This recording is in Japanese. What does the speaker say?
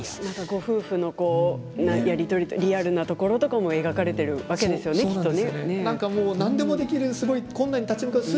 ご夫婦のやり取りリアルなところも描かれているわけですよねきっとね。